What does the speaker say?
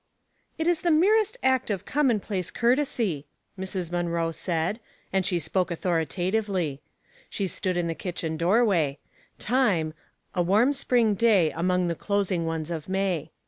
K^&^ is the merest act of commonplcice cour tesy," Mrs. Munroe said ; and she spoke authoritatively. She stood in the kitchen doorway ; time — a warm spring day among the closing ones of May.